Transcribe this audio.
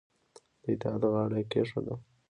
د اطاعت غاړه یې کېښوده